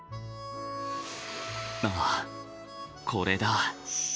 ああこれだ。